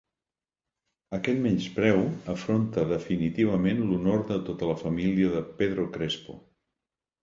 Aquest menyspreu afronta definitivament l'honor de tota la família de Pedro Crespo.